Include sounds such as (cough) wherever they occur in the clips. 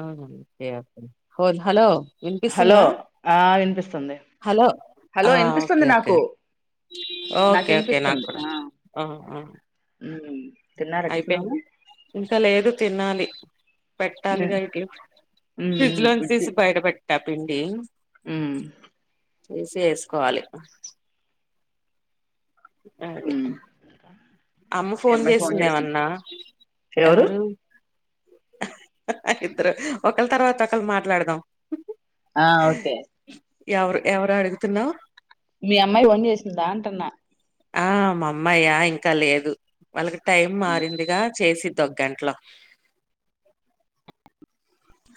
ఆ hello hello వినిపిస్తుందా ఆ వినిపిస్తుంది హలో హలో వినిపిస్తుంది ఓకే నాకు ఓకే నాకు ఓకే ఓకే వినిపిస్తుంది నాకుడ ఆ ఉమ్ తిన్నారా టిఫిను అయిపోయి ఇంకా లేదు తినాలి పెట్టాలి ఉమ్ టి ఉమ్ ఫ్రిడ్జ్ లోని తీసి బయటపట్ట ట్టపిిండి ఆ చేసి వేసుకోవాలి అ ఉమ్ అమ్మ మీ ఫోన్ అమ్మాయి చేసిందా చేసిందేమన్నా ఎవరు ఇద్దరు ఒకళ తర్వాత ఒకళ మాట్లాడదాం ఆ ఓకే ఎవరు ఎవరు అడుగుతున్నావు మీ అమ్మాయి ఫోన్ చేసిందా అంటున్నా ఆ మామ్మాయ ఇంకా లేదు వాళ్ళకి టైం మారిందిగా చేసింది దగట్లా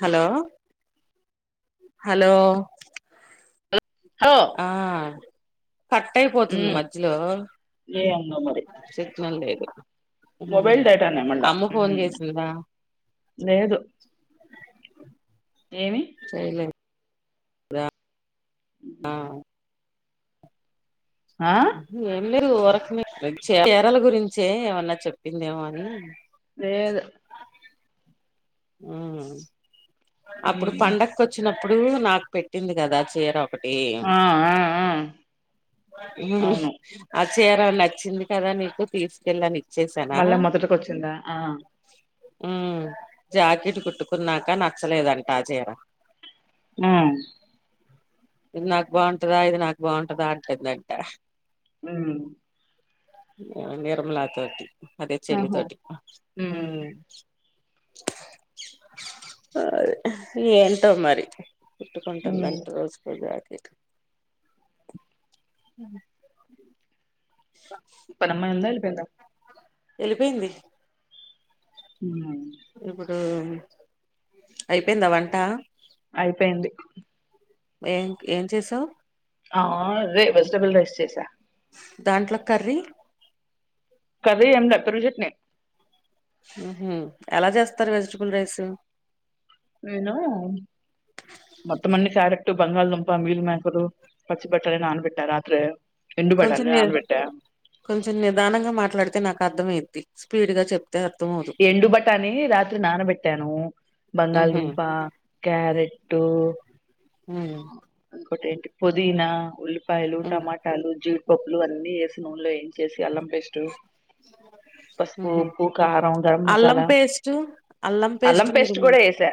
హలో హలో హలో ఆ కట్ అయిపోతుంది ఉమ్ మధ్యలో ఏందో మరి చిట్నం లేదు మొబైల్ డేటానే మళ్ళా అమ్మ ఫోన్ చేసిందా లేదు ఏమి చేయలేదు ఆ ఆ ఏం మీరు వరక మీ చీరల గురించే ఏమన్నా చెప్పిందేమో అని లేేదు అప్పుడు ఉమ్ పండకు వచ్చినప్పుడు నాకు పెట్టింది కదా చీర ఒకటి ఆ ఆ ఆ అవును చేయరని నచ్చింది కదా నీకు తీసుకెళ్ళి మళ్ళా మొదటకొచ్చిందా ఆ ఉ జాకెట్ కుట్టుకున్నాక నచ్చలేదంట ఆ చేర ఆ ఇది నాకు బాగుంటదా ఇది నాకు బాగుంటదా అంటుందంట హ నిర్మలా తోటి అదే చెల్లి ఆహా తోటి ఉమ్ అ ఏంటో మరి కుట్కంటంద ఉమ్ ఎంత రోజకుజ ఇప్పు నమ్మ ఎందాపోందా వెళ్ళిపోయింది ఉ ఇప్పుడు అయిపోయిందా వంట అయిపోయింది ఏం ఏం చేసావు ఆ రే వెజిటబుల్ రైస్ చేసా దాంట్లో కర్రీ కథ ఎంట త్రిం చెట్నే హ ఎలా చేస్తారు వెజిటబుల్ రైస్ నేను మత్త మన్ని సార ఇటు బంగాారుళ దంపా మీల్ మ్యాకరు పచ్చి బట్టల అన్బట్టారు రాత్రే ఎండు కొంచెం బటాని ని నానబెట్టా కొంచెం నిదానంగా మాట్లాడితే నాకు అర్థంయిద్ది స్పీడ్ గా చెప్ ఎండు బట్టాని రాత్రి నానబెట్టాను బంగాళదుంప క్యారెట్ హ ఒకటి ఏంటి పుదీనా ఉల్లిపాయలు టమాటాలు జీడిపప్పులు అన్నీ వేసిన నూలో ఏం చేస ఎలా పసిట్టు పసుపు ఉప్పు కారం గరం అల్లం మసాలా పేస్ట్ అల్లం పేస్ట్ కూడా వేసా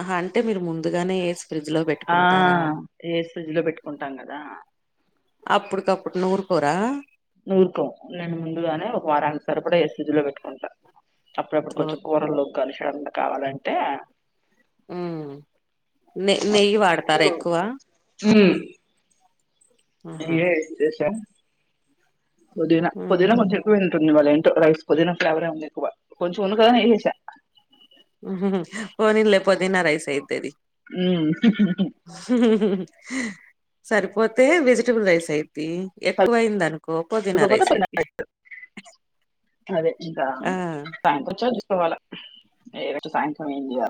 ఆహ అంటే మీరు ముందుగానే ఫ్రిడ్జ్ లో పెట్టుడి ఆ ఏ సజ్ లో పెట్టుకుంటాం కదా అప్పుడుక అప్పుడు నూఊరు పోరా నూరుకో నేను ముందుగానే ఒక వారానికి సారి కూడా ఎస్జ్ లో పెట్టుకుంటాను అప్పుడప్పుడు కొంచెం కూరల్లో కలిచడం కావాలంటే నె నెయ్యి వాడతారా ఎక్కువ త ఆహా ఏ వి శేషా పుదీనా పుదీనా మ్మ్ కొంచెం ఎక్కువే ఇవాళ్ళ ఏంటో రైస్ పుదీన ఫ్లేవరే ఉంది ఎక్కువ కొంచెం ఉంది కదా నీలేసా ఓన్ ఇల్లే పుదీనా రైసా ఇద్దేరి ఉమ్ సరిపోతే వెజిటబుల్ రైస్ అయిత ఎక్కువ అయిందినుకో కోకో దిన సరిపోకపోతే రైస్ పైన ఇది పెట్టు. అదే ఇంకా సా్యాంక వ చ తీసుకోవాలా ఏ సాయక్రం ఏడి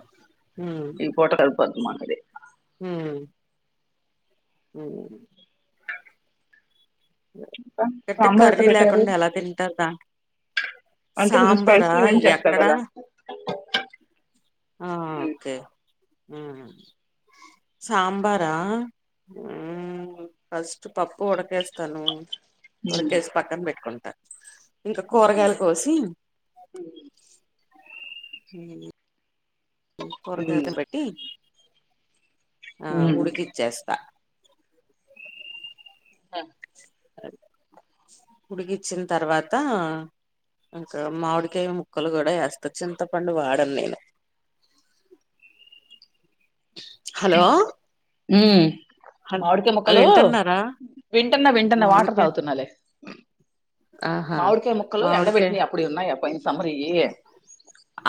ఈ పోట కలిపతు మ హ ఉ ఇంకా పెతే సాంబార్ ఎట్లా కర్రీ పెట్టారు లేకుం ండలా తిట త అంటే కొంచెం సాంబార స్పైసీ ఏం చేస్తా ఎక్కడా కదా ఆ ఓకే సాంబారా హ ఫస్ట్ పప్పు వడకేస్త తను తోడ ఉమ్ కేసు పక్కన పెట్టుకుంటాను ఇంకా కూరగాయలు కోసి పొరద ఉమ్ పెట్టి ఆ ఉమ్ ఉడికిచ్చేస్తా ఆ ఉడికిచ్చిన తర్వాత ఇంకా మామిడికాయ్య ముక్కలు కూడా వేస్తా చింతపండు వాడను నేను హలో హ్మ్మ్ హలో మామిడికాయ ముొక్కలు వింటున్నారా వింటన్నా వింటన్నా వాటర్ మామిడికాయ తాగుతున్నాలి ఆహా మామిడికాయ ముక్కలు ఎండ మామిడికాయ వెట్నిి అప్పుడు ఉన్నా ఎయా పైైన సమ్మరి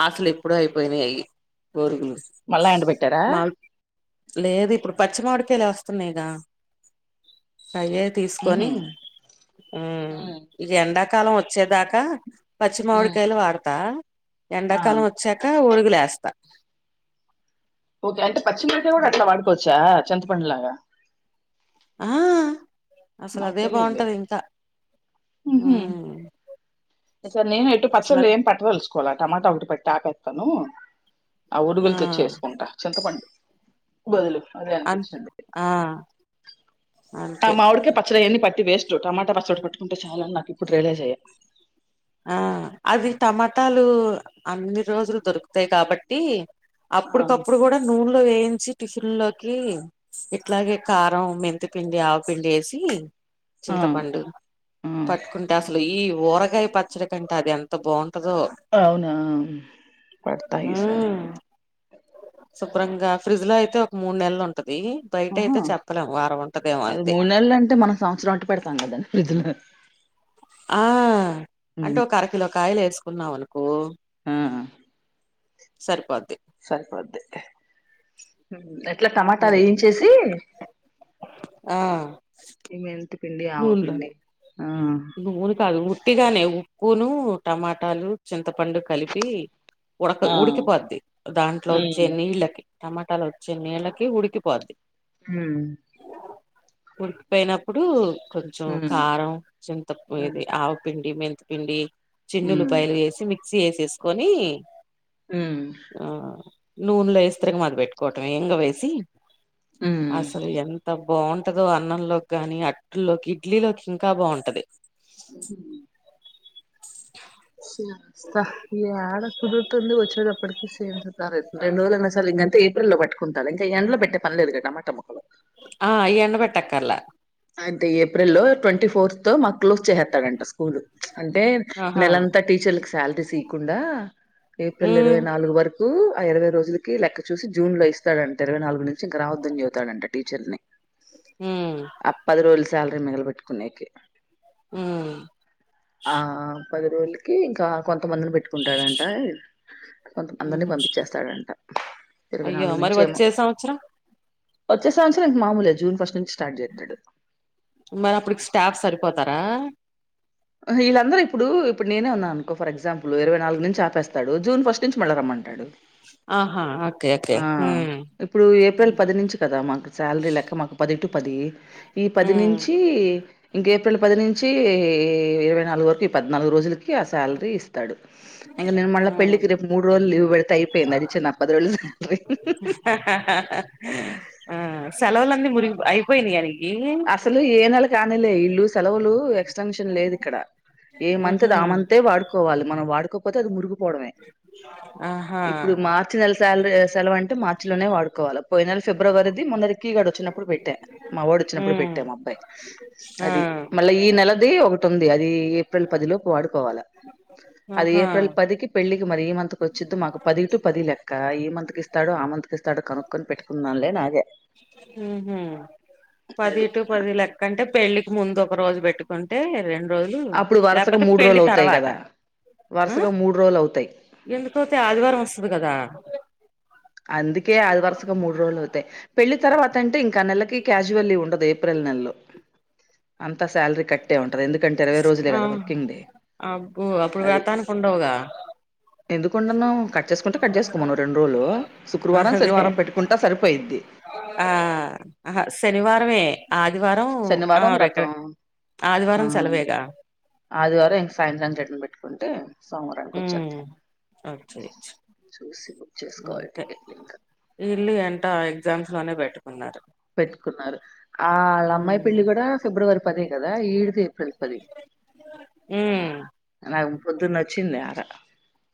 అసలు ఎప్పుడో అయిపోయినాయ్ అయి పోరుగులు మళ్ళా ఎండబెట్టారా మావి లేదు ఇప్పుడు పచ్చిమవిడికి లే వస్తున్నాయ్ గా అయ్యే ఉహు తీసుకొని హుమ్ ఉమ్ ఇగ ఎండాకాలం వచ్చేదాకా ఉమ్. పశ్చిమవిడికాయలు వాడుత ఆ ఎండాకాలం వచ్చాక వోరుగులేస్తా ఓకే అంటే పశ్చిమడికాయ కూడా అట్లా వాడుకోవచ్చా చింత పండులాగా ఆ అసలు నాకు అదే తెలియదులే బాగుంటది ఇంకా మ్ ఇసారి నేను ఎట్టు పచ్చలేం పట్టదలుచుకోల టమాట ఒకటి పట్టి ఆపెత్తాను ఆ ఓరుగులుతో చేసుకుంట చింతపండ్ బదులు అదే అంతే అనిపిచ్చింది ఆ ఆ అంతే మావిడికాయ్ అయన్ని పట్టి వేస్టు టమాట రసం ఓటి పట్టుకుంటే చాలని నాకు ఇప్పుడు రీలైజ్ అయ్యా ఆ అది టమాటాలూ అన్ని రోజులు దొరుకుతాయి కాబట్టి అప్పుడుకప్పుడు గూడ నూన్ ట్లో వేయించి టిఫిన్ లోకీ ఇట్లాగే కారం మెంతుపిండి ఆవుపిండి ఏసీ ఆ చింతపండు పట్టుకుంటే అసలు ఈ ఊరగాయ్ పచ్చడి కంటే అది ఎంత బావ్ అవునా అ పెడుతా ఈసారి ఉమ్ శుభ్రంగా ఫ్రిడ్జ్లో అయితే ఒక మూడ్ నెళ్ళు ఉంటది బయట అహా అయితే చెప్పలేం వారం ఉంటదేమో అది అంతే మూడు నెలలు అంటే మనం సంవత్సరం వట్ పెడతాం గదన్ని ఫ్రిడ్జ్లహ ఆ అంటే ఒక అరకిలో కాయలు ఏసుకున్నావ్ అనుకో ఆ సరిపోద్ సరిపోద్ది ట్లా టమాటాల్ అది ఏయించేసీ ఆ ఈ మెంతి పిండి ఆవ పిండి ఆ నూను కాదు ఉట్టిగానే ఉప్పూనూ టమాటాలు చింతపండు కలిపీ ఆ ఉడకద్ ఉడికిపోద్ది దాంట్లో వచ్చే ఉమ్ నీళ్ళకి టమాటాల్ ఒచ్చే నీళ్ళకి ఉడికిపోద్ది హుమ్ ఉడికిపోయినప్పుడు కొంచెం ఉమ్ కారం చింతప్ ఇది ఆవు పిండి మెంత్ పిండీ ఉమ్ చిన్నులుయలు ఏసి మిక్సీ యేసేసుకొనీ ఉమ్ ఆ నూన్లో ఎస్ తరుగా మారుగా పెట్టుకోటమే ఇంగువేసి అసలు ఎంత బావుబటదో అన్నంలోగ్గాని అట్లోకి ఇడ్లీలోకి ఇంకా బవ్న్ టాది ఉమ్ చేస్తా ఏడ కుదురుతుంది వచ్చేడప్పడికి (unintelligible) రెండు రోలు (unintelligible) గంతే ఏప్రిల్లో బట్టుకుంటా ఇంక ఎండ్లో పెట్టే పన్లేదుగా టమాట ముక్కలు ఆ ఇగ ఎండబెట్టక్కర్లా అయితే ఏప్రిల్ లో ట్వంటీ ఫోర్త్ తో మాకు క్లోజ్ చేసేత్తాడంట స్కూలు అంటే ఆహా నెలంతా టీచర్లకు శాలరీస్ ఈయ్యకుండా ఏప్రిల్ ఉమ్ ఇరవై నాలుగు వరుక్ కూ ఆ ఇరవై రోజులుకి లెక్క చూసి జూన్ లో ఇస్తాడంట ఇరవై నాలుగు నుంచి ఇంక రావద్దన్ జెపుతాడంట టీచర్ల ని మ్ అ ప్పది రోజుల శాలరీ మిగుల బెట్టుకోనికి మ్ ఆ పది రోలకి ఇంకా కొంతమందిని బెట్టుకుంటాడంటా కొంత అందిని ఉహు పంపించేస్తాడంట ఇరవై అయ్యో నాలుగు మరి నుంచి ఏమో వచ్చే సంవత్సరం వచ్చే సంవత్సరం ఇంక మామూలే జూన్ ఫస్ట్ నుంచి స్టార్ట్ చేస్తాడు మరి అప్పుడుకి స్టాఫ్ సరిపోతారా ఈళ్ళందరూ ఇప్పుడూ ఇప్పుడు నేనే ఉన్నా అనుకో ఫర్ ఎగ్జాంపులు ఇరవై నాలుగు నుంచి ఆపేస్తాడు జూన్ ఫస్ట్ నుంచి మళ్ళ రమ్మంటాడు ఆహా అ ఆ ఇప్పుడు ఏప్రిల్ పది నుంచి కదా మాకు శాలరీ లెక్క మాకు పది టూ పదీ ఈ పది ఉమ్ నించీ ఇంక ఏప్రిల్ పది నించీ ఈ ఇరవై నాలుగు వరకు ఈ పద్నాలుగు రోజులు ఆ శాలరీస్తాడు ఇంక నేను మళ్ళ ప ఉమ్ పెళ్లికి రేపు మూడు రోజులు లీవ్ పెడితే అయిపోయింది అడి చిప్పది రోజులు ఆ సెలవులన్నీ మురిగి అయిపోయినాయి అని అసలు ఏ నెలకు ఆనేలే ఇల్లు సెలవులు సంక్షేన్ లేదు ఇక్కడ ఏ మంత్ది ఉహు ఆ మాంతే వాడుకోవాలి మనం వాడుకోకపోతే అది మురుగు పోడమే ఆహా ఇప్పుడు మార్చి నెల శాలరీ సెలవు అంటే మార్చి లోనే వాడుకోవలే పోయి నెల ఫిబ్రవరిది మొన్న రిక్కీగాడు వచ్చినప్పుడు పెట్ట మా వాడు వచ్చినప్పు ఇప్పుడు ఉమ్ పెట్టా మా అబ్బాయి ఆ అది మళ్ళా ఈ నెలది ఒక ఉంది అది ఏప్రిల్ పది లోపు వాడుకోవాల అది ఆహా ఏప్రిల్ పది కీ పెళ్ళి మరి ఈ మంత్కి వచ్చిద్ మాకు పది టు పది లెక్క ఈ మంత్కి ఇస్తాడు ఆ మంతి ఇస్తాడు కనుక్కొని పెట్టుకుందాంలే అని ఆగా ఉహు పది అది టు పది లెక్క అంటే పెళ్లికి ముందు ఒక రోజు పెట్టుకుంటే రెండు రోజులు అప్పుడు వరుసగా లేకపోతే మూడు పెళ్లి రోజులు అవుతాయి తర్వాత కదా ఆ వరుసగా మూడు రోజులు అవుతాయి ఎందుకతే ఆదివారం వస్తది కదా అందుకే అది వరుసగా మూ రోల్ అవుతాయి పెళ్లి తర్వాత అంటే ఇంకా ఆ నెలకి క్యాజువల్ ఉండదు ఏప్రిల్ నెలలో అంతా సాలరీ కట్టే ఉం ఎందుంటే ఇరవై రోజులే ఆ కదా వర్కింగ్ డే అబ్బో అప్పుడు అది వ్రతానికి ఉండవుగా ఎందుకుండను కట్ చేసుకుంటే కట్ చేసుకోమను రెండు రోజులు శుక్రవారం అదే శనివారం పెట్టుకుంటా సరిపోయిం ఆ ఆహా శనివారంమే ఆదివారం ఆ శనివారం రెండు వ్రతం ఆ ఆదివారం సెలవేగా ఆదివారం ఇంక సాయంత్రానికి రిటర్న్ పెట్టుకుంటే సోమవారానికి ఉమ్ వచ్చేస్తాం చూసి చేసుకోవాలి టికెట్లు ఇంకా ఇల్లు ఏంటో ఎగ్జామ్స్ లోనే పెట్టు పెట్టుకున్నారు ఆళ్ళ అమ్మాయి ఉమ్ పెళ్లి కూడా ఫిబ్రవరి పదే కదా ఈడిది పది పది ఉమ్ నాకు పొద్దున్న వచ్చింది ఆరా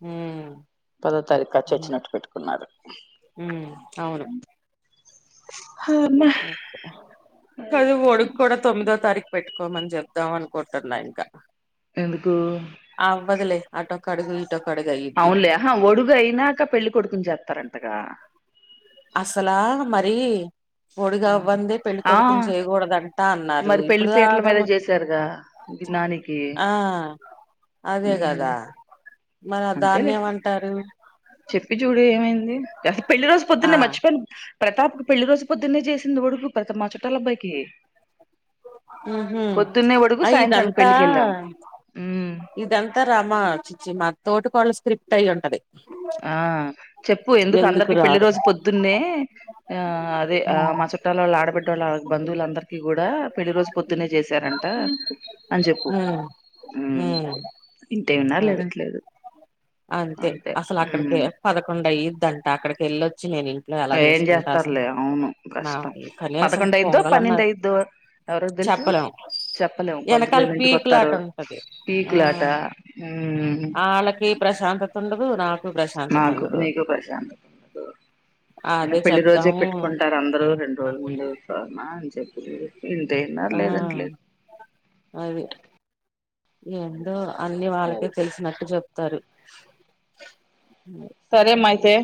ఉమ్ పదో తారీఖు అచ్చొచ్చినట్టు పెట్టుకున్నారు ఉమ్ అవును హమ్మా! అది కదు ఒడుక్ సంగతి. కూడా తొమ్మిదో తారీఖు పెట్ మని చెబుదాం అనుకుంటున్నా ఇంకా ఎందుకు ఆటో కడుగు అవునులే ఆహా ఒడుగు అయినాక పెళ్లి కొడుకుని చేస్తారంటగా అస్సలా మరి ఒడిగా ఆ అవ్వందే పెళ్లి ఆ, కొడుకుని చేయకూడదంటా అన్నారు మరి పెళ్లి ఇప్పుడు పీటల దాకా మీద చేసారుగా నానికి ఆ అదే ఉమ్ కదా మరి అంతేలే దాన్నేమంటారు చెప్పి చూడు ఏమైంది పెళ్లి రోజు ఆ పొద్దున్నే మర్చిపోయను ప్రతాప్ పెళ్లి రోజు పొద్దున్నే చేసింది ఒడుగు ప్రత మా చుట్టాల అబ్బాయికి ఉహు సాయంత్రానికి అయిదంతా పెళ్ళికి వెళ్ళాం ఉమ్ ఇదంతా రమ చిచ్చి మా తోటి కోడలు స్క్రిప్ట్ అయ్యి ఉంటది ఆ చెప్పు ఎందుకు అందరికి పెళ్లి రోజు పొద్దున్నే ఆ అదే ఉ ఆ మ చుట్టాల ఆడబడ్డ వాళ్ళ బంధువులందరికీ కూడా పెళ్లి రోజు పొద్దునే చేశారంట అని చెప్పు ఉమ్ న్నారు లేదంటే లేదు అంతే అసలు అక్కడికి పదకొండ ఇద్దంట అక్కడికి వెళ్ళొచ్చి నేను ఇ అట్లా ఎలా ఏం చేసుకుంటారు చేస్తారులే అసన్నా అవును నా కష్టం ఈ కనీసం పదకొండు అయిద్దో పొంగలు అన్న పన్నెండు అయిద్దో ఎవరికి తెలుసు చెప్పడం చెప్పలేము వెనకాల పంతులోళ్ళు ఇంటికి పీకులాట వస్తారు ఉంటది ఆ పీకులాట ఉమ్ ఆళ్ళకి ప్రశాంతతండదు నా నాకు నీకు ప్రశాంత అయిన అదే పెళ్లి రోజే చెప్దాము పెట్టుకుంటారు అందరుూ రెండు రోజుల ముందుమా అని చెప్పిది ఇంతేన్నారు ఆ లేదం లేదు అది ఏందో అన్ని వాళ్ళకే అది తెలిసినట్టు చెప్తారు సరే మాయితే